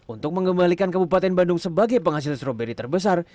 untuk mengembalikan kabupaten bandung sebagai penghasil stroberi terbesar